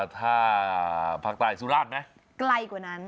ถ้าภาคใต้สุราชไหมใกล้กว่านั้น